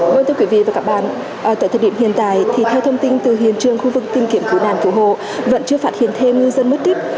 vâng thưa quý vị và các bạn tại thời điểm hiện tại thì theo thông tin từ hiện trường khu vực tìm kiếm cứu nàn cứu hồ vẫn chưa phát hiện thêm ngư dân mất tích